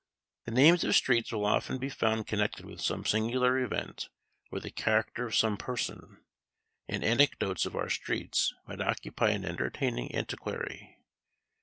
The names of streets will often be found connected with some singular event, or the character of some person; and anecdotes of our streets might occupy an entertaining antiquary.